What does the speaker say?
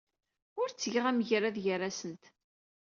Ur ttgeɣ amgerrad gar-asent.